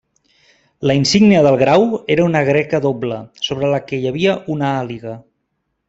La insígnia del grau era una greca doble, sobre la que hi havia una àliga.